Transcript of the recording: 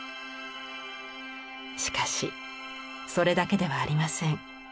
しかしそれだけではありません。